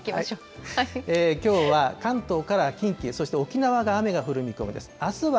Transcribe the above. きょうは関東から近畿、そして沖縄が雨が降る見込みです。